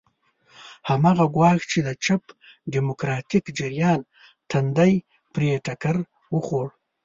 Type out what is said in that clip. هماغه ګواښ چې د چپ ډیموکراتیک جریان تندی پرې ټکر وخوړ.